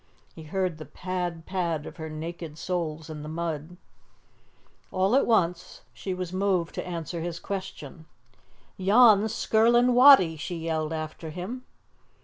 He heard the pad, pad, of her naked soles in the mud. All at once she was moved to answer his question. "Yon's Skirlin' Wattie!" she yelled after him.